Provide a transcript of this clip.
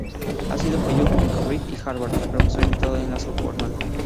Ha sido fellow en Cambridge y Harvard y profesor invitado en La Sorbona.